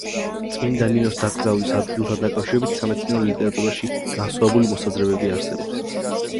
წმინდა ნინოს დაკრძალვის ადგილთან დაკავშირებით სამეცნიერო ლიტერატურაში განსხვავებული მოსაზრებები არსებობს.